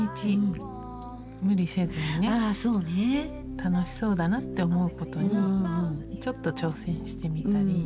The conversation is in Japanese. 楽しそうだなって思うことにちょっと挑戦してみたり。